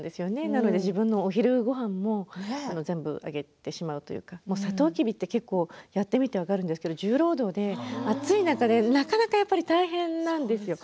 だから自分のお昼ごはんも全部あげてしまうというか砂糖きびって結構やってみると分かるんですけれども重労働で暑い中でなかなか大変なんですよ。